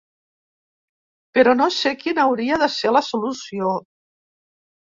Però no sé quina hauria de ser la solució.